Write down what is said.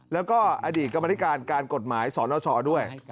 แล้วก็อดีตกรรมธิการการกฎหมายสนชด้วย